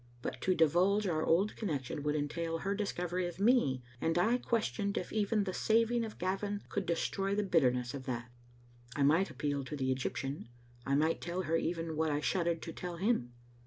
But to divulge our. old connection would entail her discovery of me, and I questioned if even the saving of Gavin could destroy the bitterness of that. I might appeal to the Egyptian. I might tell her even what I shuddered to tell him.